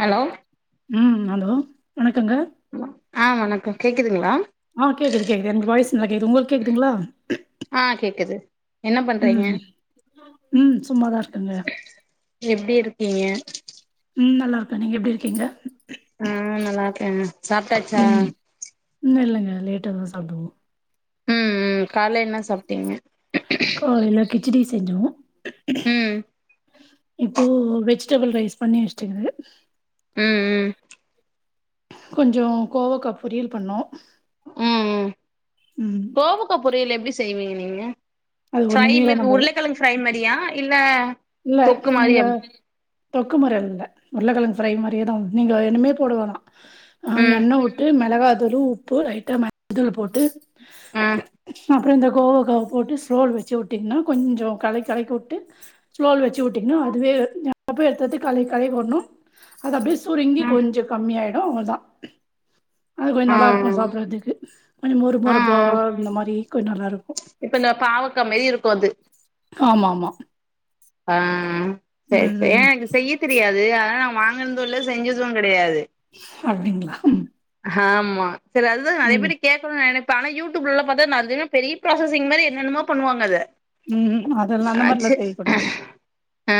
hello உம் hello வணக் இருக்குங்க ஆ வணக்கோ கேக்குதுங்களா ஆ கேக்குது கேக்குது எனக்கு வாய்ஸ் நல்லா கேக்குது உங்ளுக்கு கேக்குதுங்ளா ஆ கேக்குது என்ன பண்றீங்க ம் ம் சும்மாதா இருக்கங்க நீங்க ம் நல்லாருக்க நீங்க எப்டி இருக்கீங்க ஆ நல்லாருக்கேங்க சாப்ட்டாச்சா உண்ணு இல்லங்க லேட்டா தா சாப்டுவோ ம் ம் கால்ல என்ன சாப் தேங் இச்சடி செஞ்சோ ம் இப்போ வெஜிடபிள் ரைஸ் பண்ணி வச்சுட்டுக்குது ம் ம் கொஞ்சோ கோவக்கா பொரியல் பண்ணோ ம் ம் கோவக்கா பொறியல் எப்டி செய்வீங்க நீ ஏங்க அது ஃப்ரை ஒண்ணுமே இல்ல இப்ப நம்ப உருளக்கெழங்கு ஃப்ரை மாரியா இல்ல இல்ல தொக்கு நீங்க மாரியா தொக்குமுறைல்ல உருள கெளங்கு ஃப்ரை மாரியே தா நீங்க என்னமே போடவேணா ஆ ம் எண்ணெ வுட்டு மெளகா அது உப்பு லைட்டா மஞ்சள் போட்டு அ அப்றோ இந்த கோவக்க போட்டு ஸ்லோல்ல வெச்சு வுட்டீங்னா கொஞ்ஜோ கலெக்இ கலக்கிவுட்டு ஸ்லோல வெச்சு வுட்டிங்னா அதுவே எ அப்பயே எடுதெடுத்து களகி களகி வுட்ணு அது அப்டே சுருங்கி ஆ கொஞ்ஜோ கம்மியாய்டு அவ்ளோதா அது கொன் ஆ நல்லாருக்கு சாப்றதுக்கு கொஞ் மொறு ஆ ஆ மொறப்பா இந்த மாரி கு நல்லா இரு குஅது ஆமாமா ஆ செரி செரரி ஏ செய்ய தெரியாது அது அதநா வாங் ந்துல்ல செஞ்சது கெடயாது அப்டிங்களா ஹாமா சர் அதுதா நெறய ம் பேர்ட்ட கேகனு நெனச் ஆனா யூடியூப்லலா பார்த்தா நறைய பெரிய பிராசிங் மாதி என்னென்னமோ பண்ணுவாங்க அத ம் அதெல்லா அந்த அச் மாரிலா செய்யக்கூடாது [unintelligible] அ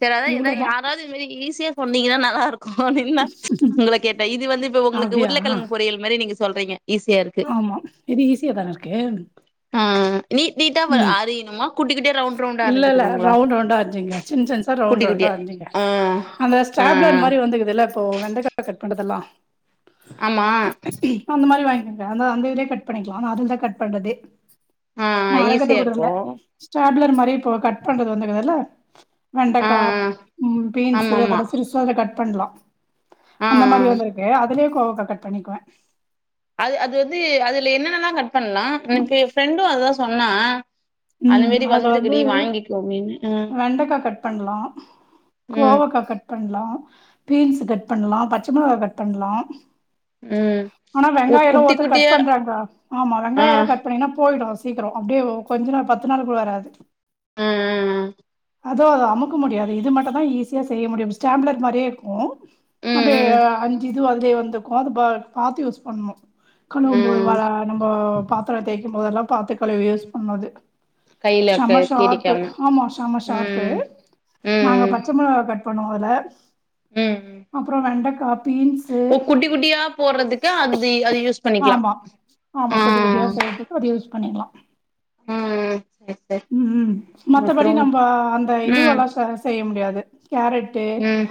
சர் அதா ஏதா இவ்ளோதா யாராது இது மாரி ஈஸியா சொன்னீங்கன்னா நல்லாருக்கு ஹோனின்னா உங்கள கேட்டே இது வந்து இப்ப உங்களுக்கு அப்டியா உருளக்கெழங்கு பொறியல் மாரி நீங்க சொல்றீங்க ஈஸியா இருக்கு ஆமா இது ஈஸியா தான இருக்கு ஆஹ் நீட் நீட்டா ம் அறியுணுமா குட்டி குட்டியா ரவுண்ட் ரவுண்டா இல்ல இல்ல அரிஞ்சுக்கணுங்களா ரவுண்ட் ரவுண்டா அஞ்சுங்க சின் சின்சா குட்டி ரவுண்ட் ரவுண்ட் குட்டியா அஞ்சுங்க ஆ அந்த ஆ ஆ ஸ்டாப்ளர் மாரி வந்துகுதுல இப்போ வெண்டகாவ கட் பண்ணி பதலாம் ஆமா [unintelligible] அந்த மாதிரி வாங்கி அந்த இதிலேயே கட் [unintelligible] பண்ணிக்களாம் தான் கட் பண்றது ஆஹ ஈஸியா இருக்கும் டப் [unintelligible] லர் மாரி இப்ப கட் பண்றது வந்தகதல்ல ஆ ஆ வெண்டக்கா ஆமா பீன்ஸ்சு ஆமா அதோட சிருசா கட் பண்லா ஆ அந்த ஆ மாதிரி வந்து இருக்கு அதுலயே கோவகா கட் பண்ணிக்குவேன் அது அது வந்து அது என்னென்னல்ல பண்லா ஃப்பிரண்டு அதா சொன்னா அந்த உம் மாரி அதுல வந்து வந்திருக்குடி வாங்கிக்கோ அப்டின்னு ம் வெண்டக்கா கட் பண்லா ம் கோவக்கா கட் பண்லா பீன்ஸ்சு கட் பண்லா பச்ச மொளகா கட் பண்லா ம் ஆனா ஓ வெங்காயம் எல்லாம் குட்டி ஒருத்தட்டு கட் குட்டியா பண்றாங்க ஆமா ஆ வெங்காயம் எல்லாம் கட் பண்ணீங்கன்னா போயிடும் அப்பிடியே கொஞ்ச நாள் பத்து நாள் கூட வராது ஆ ஆ அதோ அமுக்க முடியாது இது மட்டும்தா ஈஸியா செய்ய முடியும் ஸ்டாப்ளர் மாரியே இருக்கும் ம் அப்பே ம் அஞ்சி இதுவும் அதுலயே வந்துக்கும் அது பாார்த்து யூஸ் பண்ணும் கழுவும் போது வ ம் நம்ம பாத்திரம் தேய்க்கும் போதுல்லாம் பாத்துகலேஸ் [unintelligible] ஒன்னது கையில சம க சார்ப்பு கீரிக்காம ஆமா சம சார்ப்பு ம் நாங்க ம் பச்சமொளகா கட் பண்ணுவேம்ல ம் ம் அப்புறம் வெண்டக் குட்டி குட்டியா போட்றதுக்கு அது அதி அது யூஸ் பண்ணிக்கலா ஆமா ஆஹ் பண்ணிக்கலாம் சரி உம் மத்தபடி அப்புறம் நம்ம அந்த ம் இதுவெல்லாம் செய்ய முடியாது கேரட்டு ம்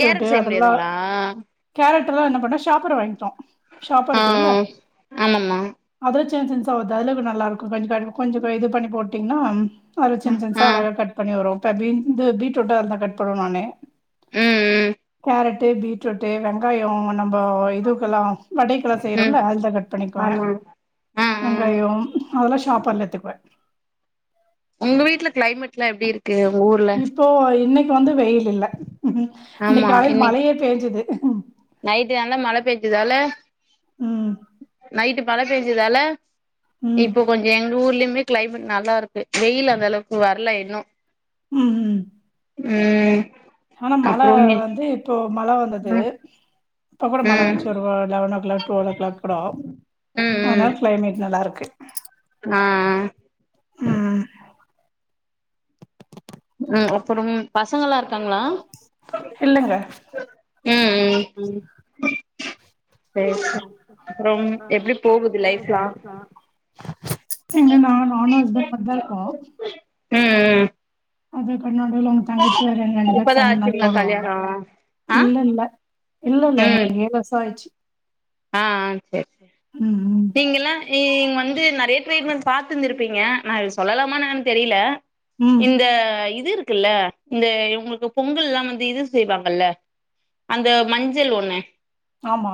கேரட் செய்ய அதெல்லா முடியாதுங்களா கேரட் ல்லா என்ன பண்ண ஷாப்பர் வாங்கிட்டோ ஷாப்பர் ஆ ஆமமா சென்சன்ஸா ஆது அதுல நல்லா இருக்கு கொஞ்ச க கொஞ்ச இது பண்ணி போட்டீங்னா அத சின் சின்சா ஆ அழகா கட் பண்ணி வரு வெந்து பீட்ரூட்டாருந்தா கட்பன்னுவே நானு ம் ம் காரட் து பீட்ரூட்டு வெங்காயோ நம்ப இதுக்குலா வடைக்கலா ம் செய்ரோல அதுல கட் பண்ணிக்குவ ஆமா ஆ ஆ வெங்காயு அதல்லா ஷாப் பேத்துக்குவே உங்க வீட்ல க்ளைமட் ல்லா எப்டி இருக்கு உங்க ஊர்ல இப்போ இன்னைக்கு வந்து வெயில் இல்ல ம் ஆமா இன்னைக்கு காலையில இன்னைக் மழையே பெஞ்சுது [unintelligible] நைட்டு நல்ல மழ பெய்ஞ்சதால ம் மழ பெயஞ்சதால ம் இப்ப கொஞ்ச எங்க ஊர்லையுமே கிளைமேட் நல்லா இருக்கு வெயில் அந்த அளவுக்கு வரல இன்னு ம் ம் ம் ஆனா மழ அப்புறமே வந்து இப்போ மழ வந்துது ம் இப்ப கூட ம் மழவஞ்ச்சி ஒருலெவ ஒன்னோ கிளாக் டுவல் ஓ கிளாக் கூடோ ம் ம் அனா கிளைமேட் நல்லா இருக்கு ஆ ம் ம் அப்றம் பசங்கல்லா இருக்காங்களா இல்லங்க ம் ம் [unintelligible] சேரி சேரி அப்புறம் எப்டி போகுது லைஃப்லா எ ன்னனா நானு ஹஸ்பன்ட் மட் தா இருக்கோ ம் ம் அது பனோடல அவங்க தங்கச்சி வேறு எங்க ரெண்டு பேர் இப்பதான் சந் ஆச்சுங்களா நளைக்வருவாங்க கல்யாணம் ஆ இல்ல இல்ல இல்ல இல்ல ம் ஏழருசாயிடுச்சு ஆ அ சரி ம் [inaudible] நீங்கல்லா இங் வந்து [unintelligible] ட்ரீட்மண்ட் பாத்து இருந்திருப்பீங்க நா சொல்லலாமா என்னன் தெரியில ம் ம் இந்த இது இருக் க்கு இல்ல இந்த இவங்குளுக்கு பொங்கல்லாம் வந்து இது செய்வாங்கல்ல அந்த மஞ்சள் ஒண்ணு ஆமா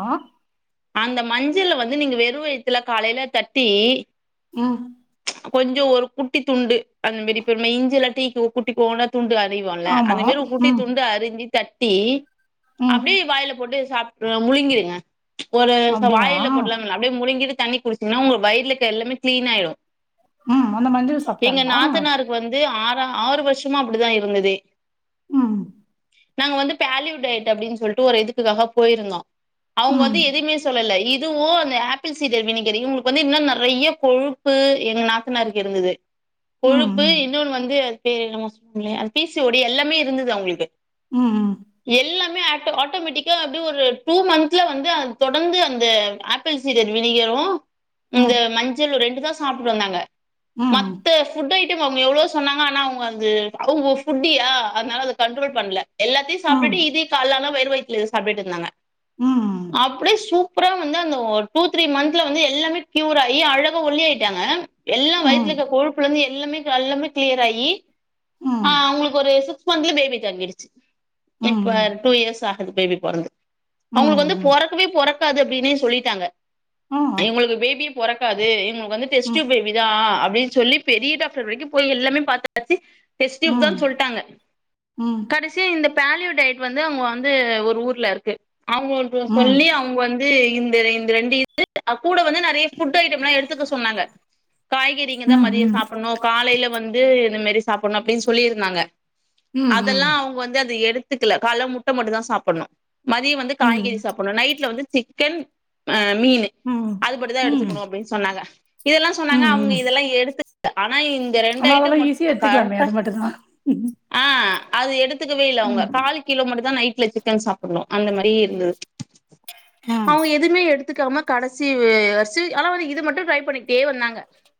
அந்த மஞ்சள் வந்து நீங்க வெறு வயித்துல காலைல தட்டி ம் கொஞ்சோ ஒரு குட்டி துண்டு அந்த மேரி இஞ்சுலா டீக்கு குட்டி போன துண்டு அறிவான்ல ஆமா அந்த மேறி ஒரு குட்டி ம் துண்டு அறிஞ்சி தட் டீ ம் அப்டியே வாயில போட்டு சாப் முழுங்கிருங்க ஒரு அப்டியா வாயில போட்லாம்ல்ல அப்படியே முழுங்கிரு தண்ணி குடிச்சீங்னா உங்க வயிருல இருக்குற எல்லாமே க்ளீனா ஆயிடு ம் அந்த மஞ்சள் சாப்ட்டாங்களா வந்து ஆறா ஆறு வருஷமா அப்படிதா இருந்ததே ம் நாங்க வந்து பேலிவுட் டயட் அப்படின் சொல்லிட்டு ஒரு இதுக்குதாக போயிருந்தோ அவங்க வந் இவ ம் எதுமே சொல்லல இது இதுவு அந்த ஆப்பிள் சீடு வினிகரயு இங்குளுக்கு வந்து இன்னு நறைய கொழுப்பு எங்க நாத்தனாருக்கு இருந்துது ம் கொழுப்பு ம் இன்னொன்னு வந்து பே நம்ம சொல்லி அது பீ சீ ஓடி எல்லாமே இருந்துது அவங்குளுக்கு ம் ம் மே ஏட்டோ ஆட்டோமேட்டிகா அப்படி ஒரு டூ மந்த்ல வந்து அந் தொடர்ந்து அந்த ஆப்பிள் சீடர் வினிகரு ம் இந்த ம் மஞ்சள் ரெண்டுதாஸ் சாப்ட் வந்தாங்க ம் மத்த ஃபுட்டு ஐட் டம் அவங்க எவ்வளோ சொன்னாங்க ஆனா அவங்க அது அவங்க புட்டியா அதனால அத கண்ட்ரோல் பண்ல எல்லாத்தியு ம் சாப்டுட்டு இதி கால்லானா போய் [unintelligible] சாப்டுட் இருந்தாங்க ம்க்ம் அப்டியே சூப் அப்பறம் வந்து அந்த ஒரு டூ த்ரீ மந்துல வந்து எல்லாமே க்யூர் ஆயி அழகா ஒல்லி ஆயிட்டாங்க எல்லா வயித்துல இருக்க கொழுப்புல இருந்து எல்லம்மே எல்லாமே க்ளியர் ஆயி ஆ ம் அவுங்களுக்கு ஒரு சிக் ஸ்மன்த்ல பேபி தங்கிடுச்சு இப்ப ம் டூ இயர்ஸ் ஆ குது பேபி பொறந்து அவுங்ளுக்கு வந்து ம் பொறக்காது அப்டின்னே சொல்லிட்டாங்க ஆ இவுங்களுக்கு பேபி பொறக்காது இவுங்க வந்து ம் டெஸ்ட்யூப் பேபி தா அப் டி சொல்லி பெரிய டாக்டர் வரைக்கும் போய் எல்லாமே பாத்தாச்சு டெஸ்ட் டியூப் ம் தான் சொல்ட்டாங்க ம் கடசியா இந்த பேலியொ டயட் வந்து அங்க வந்து ஒரு ஊர்ல இருக்கு அவுங்க [unintelligible] ம் ம் சொல்லி அவுங்க வந்து இந்த இந்த [inaudible] அ கூட வந்து நெறைய ஃபுட் ஐட்டம்லா எடுத்துக்க சொன்னாங்க ம் ம் காய்கறிங்கதா மதிய ம் சாப்புன்ணு காலைல வந்து இது மெ ரி சாப்புன்ணு அப்டின் சொல்லிருந்தாங்க ம் அதெல்லா அவுங்க வந்து அத எடு ஒத்துக்கல கால்ல முட்ட மட்டுந்தா சாப்புட்ணு மதிய வந்து காய்கறி ம் நைட்ல வந்து சிக்கன் அ மீனு அதுபடிதா ம் ம் எடுத்துக்கணு அப்டின் சொன்னாங்க இதெல்லா சொன்னாங்க அவுங்க ம் இதெல்லா எடுத்துக்ல ஆனா இங்க ரெண்டு ஆனா அதெல்லா ஐட்டம் ஈஸியா மட்டு எடுத்துக்கலாமே கரெக்ட்டா அது மட்டுந்தா ஆ அத எடு த்துக்கவே இல்ல அவுங்க ம் காலு கிலோ மட்டுதா நை ட்ல சிக்கன் சாப்புட்ணு அந்த மாரி இருந்தது ஆ அவுங்க எதுவ்மே எடு த்துக்காம கடசி [unintelligible] ஆனா வந்து இது மட்டு ட்ரை பண்ணிக்கிட்டே வந்தாங்க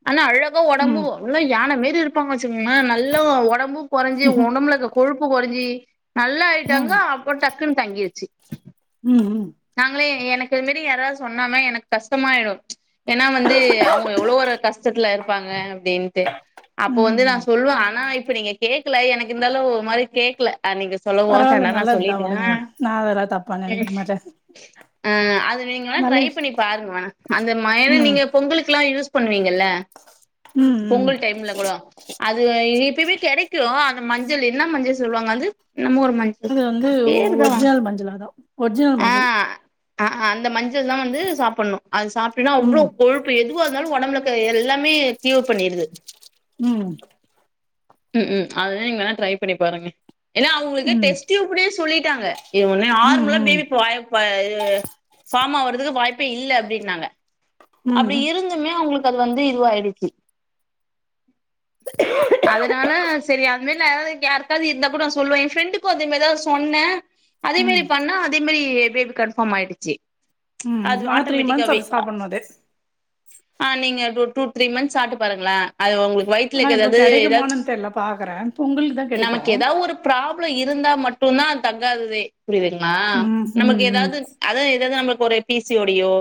ஆனா அழகா ஒடம்பு ம் உள்ளா யான மே ரி இருப்பாங்க [unintelligible] நல்லா ஒடம்பு கொறஞ்சு ஒடம்புல இருக்க கொழுப்பு கொறஞ்சி நல்லா ஆயிட்டாங்க ம் அப்போ டக்குன் தங்கிருச்சி ம் ம் நாங்களே எனக்கு இது மாரி யாராவது சொன்னாங்கனா எனக்கு கஷ்டமாயிரும் ஏன்னா வந்து அவங்க எவ்வளோ ஒரு கஷ்டத்துல இருப்பாங்க அப்படின்ட்டு அப்போ வந்து ம் நான் சொல்லுவேன் ஆனா இப்ப நீங்க கே இருக்குலஎனக்கு இருந்தாலும் ஒரு மாதிரி கேக்கல அ நீங்க சொல்லவு பரவாயில்ல அதனால நா நல்லாதுதான் சொல்லிட்டே வுடுங்க நான் அதெல்லாம் தப்ப நினைக்க மாட்டேன் அ அது நீங்கல்லாம் விஷ் ட்ரைப்பண்ணி பாருங்ளே அந்த மாரி ம் நீங்க பொங்கலுக்கெல்லாம் யூஸ் பண்ணுவீங்கல்ல ம் ம் பொங்கல் டைம்ல கூட அது இப்பயுமே கெடைக்கும் மஞ்சள் என்ன மஞ்சள் சொல்லுவாங்க வந்து அது வந்து ஒரிஜினல் மஞ்சளா தான் ஒரிஜினல் மஞ்சள் அ அ அந்த மஞ் ளதான் வந்து சாப்டணும் அது சாப்டம்னா ம் அவ்வளவு கொழுப்பு எதுவாகது ஒடம்ப்ல இருக்க எல்லாமே கியூர் பண்ணிருது ம் உம் உம் அதுதான் நீங்க வேணா ட்ரை பண்ணி பாருங்க என்னா அவுங்ளுக்கு ம் டெஸ்ட் டியூப்லேயே சொல்லிட்ட [unintelligible] ணே ம் நார்மலா பேபி ம் ஃபார்மா வர்றதுக்கு வாய்ப்பே இல்லை அப்டின்னாங்க அப்டி ம் இருந்துமே அவுங்களுக் அது வந்து இதுவாயிடுச்சு இல்ல யாருக்காவது இருந்த கூட நான் சொல்லுவன் என் ஃப்ரெண்டுக்கு அதேமாதிரிதான் சொன்னன் அதே ம் மெரி பண்ணா அதே மெரி பேபி கன்ஃபார்ம் ஆயிடுச்சு ம் அது ஆனா த்ரீ மந்த்ஸ் ஆட்டோமேட்டிக்காவே அப்டி சாப்புட்ணு அது ஆஆஹ் நீங்க த்ரீ மந்த்ஸ் சாப்புட்டு பாருங்களேன் அது ஒங்களுக்கு வய்த்ல ஆனா இப்ப இருக்றது ஏதாவது கெடைக்குமானு தெர்ல பாக்குறே பொங்கலுக்கு தா கெடைக்கு நமக்கு ஏதாவது ஒரு ப்ராப்ளம் இருந்தா மட்டும் தான் தான் தங்காததே புரியுதுங்களா ம் நமக்கு ம் ம் ஏதாவது அததாவது நம்ம ஒரு பிசிஓடியோ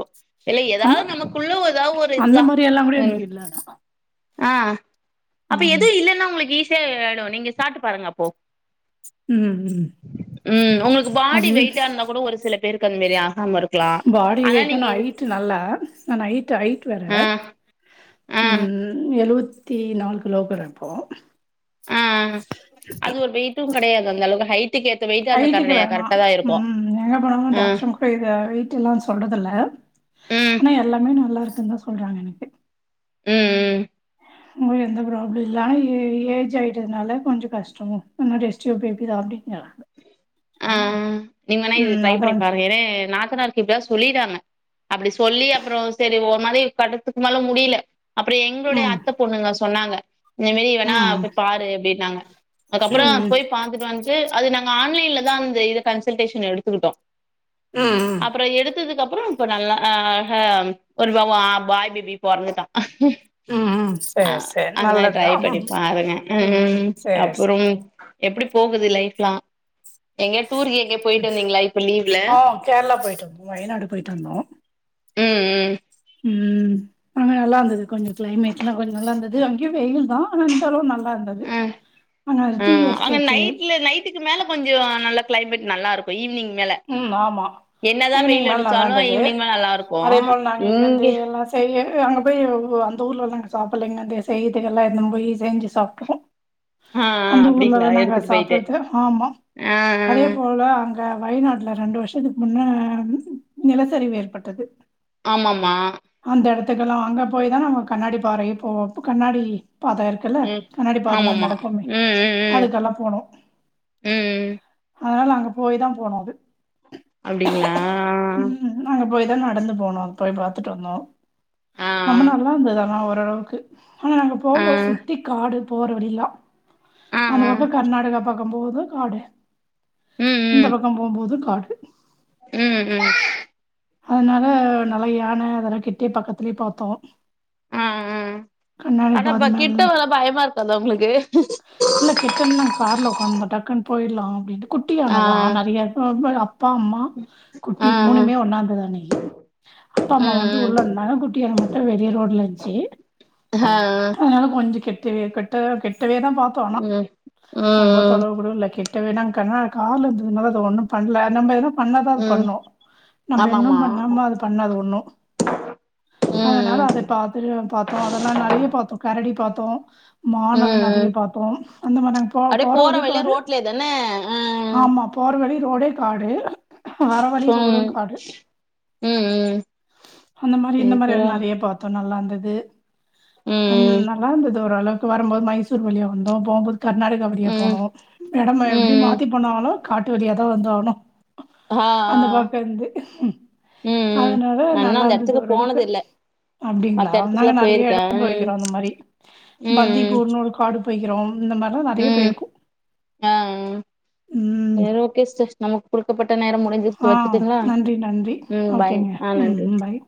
இல்ல அந்த ஏதாவது நமக்குள்ள ஏதாவது ஒரு அந்த இதுதான் மாரி எல்லா கூட ம்ம் எனக்கு இல்ல ஆனா அ அப்ப ம் எதுவும் இல்லன்னா உங்களுக்கு சரிஆய்டும் நீங்க சாப்பிட்டு பாருங்க அப்போ ம் ம் உம் உங்களுக்கு பாடி அது வெயிட்ட இருந்தா கூட ஒரு சில பேரு [unintelligible] மேரியா அமருக் பாடி வெயிட்ட நா ஹைட்டு நல்லா நா ஹைட்டு ஹைட் டு வேற ஆ ஆ ம்ம் எழுவத்தி நான்கு லோகறப்போ ஆ அது ஒரு வெயிட்டும் கெடையாது து அந்த அளவுக்கு ஹைட் வயட்டுக்கு வேணா ம் எங்க போனாலு ஆ டாக்டர் கூ வெயிட்டு எல்லா சொல்றது இல்ல ம் ஆனா எல்லாமே நல்லா இருக் குன்னு சொல்றாங்க எனக்கு ம் ம் உங்களுக்கு எந்த ப்ராப்ளம் இல்லன்னா ஏஜ் ஆயிட்டதுனால கொஞ்ச கஷ்டமு இன்னு டெஸ்டு பேபிதா [unintelligible] அ அ நீங்க வேணா இது ட்ரை பண்ணி பாருங்க ஏதே நான் [unintelligible] எப்படியாது சொல்லிறாங்க அப்படி சொல்லி அப்பறோ செரி ஒரு மாரி கட்டத்துக்கு மேல முடில அப்பறோ எங்களுடய ம் அத்த பொண்ணுங்கஸ் சொன்னாங்க இந்த மேரி வேணா ம் போய் பாரு அப்டின்னாங்க அதுக்கப்பறோ ம் போய் பாத்துட்டு வந்து அது நா ஆன்லைன்ல நா அந்த இது கன்சல்டேஷன் எடுத்துக்கிட்டோ ம் ம் அப்பறோ எடுத்ததுக்கு அப் அப்பறோ இப்ப நல்லா அ அம் ஒரு பாய் பேபி பொறந்துட்டா ம் ம் ஆ சேரி சேரி ஆனா ட்ரை நல்லதுதான் பண்ணி ம் பாருங்க ம் ம்ம் அப்புறோம் எப்டி போகுது லைஃப்லா எங்கயா டூருக்கு எங்கயா போயிட்டு வந்தீங்களா இப்ப லீவ்ல ஆ கேரளா போயிட்டு வந்தோ வயநாடு போயிட்டு வந்தோ ம் ம் ம் அங்க நல்லா இருந்தது கொஞ்ச கிளைமேட் எல்லா அவ்ளோ நல்லா இருந்தது அது அங்கியு வெயில்தா தா ஆனா இந்த தடவ நல்லா இருந்தது ம் அதனால டீ ம் ஆனா எஸ்டேட்டு நைட்ல நைட்டுக்கு மேல கொஞ்சோ நல்லா கிளைமேட் நல்லா இருக்கு ஈவ்னிங் ம் ஆமா ஈவ்னிங் மேல நல்லா அடிச்சாலு இருந்தது ஈவினிங் மேல நல்லா இருக்கு அதே போல நாங்க இங்கந்து இங்க எல்லா செய்ய அங்க போய் அந்த ஊர்ல வந்து நாங்க சாப்பல்லைங்க செய்றது எல்லா எடுத்துட்டு போயி செஞ்சு சாப்ட்டுருக்கோ ஆ ஆ அந்த அப்டிங்களா ஊர்லதா நாங்க எடுத்துட்டு போயிட்டு சாப்பறது ஆமா ஆ அதே ஆ போல அங் வயநாட்டுல ரெண்டு வருஷத்துக்கு முன்ன நிலசரிவு ஏற்பட்டது ஆமா ஆமா அந்த எடத்துக்கெல்லா அங்க போயிதா நாங்க கண்ணாடி பாரு இப்போ இப்ப கண்ணாடி பாதோ இருக்குல்ல ம் கண்ணாடி பாத மாரி ஆமாமா நடக்கோமே ம் ம் அதுக்கெல்லா போனோ ம் ம் அதனால அங்க போய் தா போனோ அது அப்டிங்களா ம் அங்க போய் தா நடந்து போனோ போய் பாத் த்துட்டு வந்தோ ஆ ரொம்ப நல்லா இருந்தது ஆனா ஒரு ஓரளவுக்கு ஆனா நாங்க ஆ ஆ போம்போது சுத்தி காடு போற வலில்லா ஆ அந்த ஆ பக்கோ கர்நாடக பக் ரொம்பவுந்தா காடு ம் இந்த ம் பக்கொ போம்போதுக் காடு ம் ம் அதனால நல்லா யான அதெல்லா கிட்டயே பக்கத்துலேயே பாத்தோ ஆ ஆ கண்ணாடி ஆனா பாத ப மேல கிட்ட வர பயமா இருக்காதா உங்களுக்கு இல்ல கெட்டன்னோ கார்ல உக்காந்துருந்தோ டக்குன்னு போய்ட்லா அப்படின்டு குட்டியான ஆ தா நெறைய அ ப அப்பா அம்மா குட்டி ஆ ஆ மூணுமே ஒன்னாருந் தானைக்கி அப்பா ம் அம்மா வந்து உள்ள ம் இருந்தாங்க குட்டியான மட்டு வெளிய ரோட்ல இருந்துச்சு ஆ அதனால கொஞ் ஞ்சொ கெட்டவே கட்ட கெட் ட்டவே தா பாத்தோ ஆனா ம் ரொம்ப ம் தொலவு கூட இல்ல கிட் ட்டவே தா கனா கார்ல இருந்ததனால அது ஒன்னு பண்ல நம்ம ஏதுனா பண்ணா தா அது ம் பண்ணு நம்ப இன்னு ஆமாமா பண்ணாம அது பண்ணாது ஒன்னு அதனால ம் ம் அத பாத்துட்டு பாத்தோ அதெல்லா நெறைய பாத்தோ கர டி பாத்தோ [unintelligible] மானுல்லா நெறைய ம் பாத்தோ அந்த மாரி நாங்க போற அப்டியே போற வழி வழில காடு ரோட்லயே தான ஆ ஆமா போற வழி ரோடே காடு வர வழி ம் ரோடுக் ம் ம் அந்த மாரி இந்த மாரியா பேசுறா நெறைய பாத்தோ நல்லா இருந்தது ஹாம் ம் நல்லா இருந்தது ஓரளவுக்கு வரும்போது மைசூர் வழியா வந்தோம் போம்போது கர்நாடகா வழியா ம் போனும் எடம் எப்டி ம் மாத்தி பண்ணாங்களோ காட்டு வழியா தா வந்து ஆகணும் ஆ ஆ ம் ம் ம் அதனால நா இன்னு நல்லா அந்த இருந்தது எடத்துக்கு ஓரளவுக்கு போனது இல்ல அப்டிங்களா மத்த நாங்க எடத்துக்குலா நெறைய போயிருக்கே இடம் ம் போயிருக்கிறோ அந்த மாரி ம் பந்திப்பூர்ன்னு ஒரு காடு போய் கிறோம் இந்த மாரி நெறைய ம் போயிருக்கோ ஆ ஆ ம் குடுக்கப்பட் ஆ நன்றி நன்றி ம் பாய் ஓகேங்க ஆ ம் நன்றி ம் பாய்